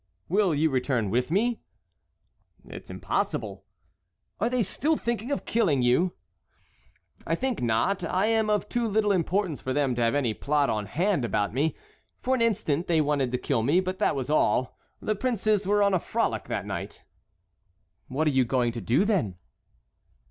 "Will you return with me?" "Impossible." "Are they still thinking of killing you?" "I think not. I am of too little importance for them to have any plot on hand about me. For an instant they wanted to kill me, but that was all. The princes were on a frolic that night." "What are you going to do, then?"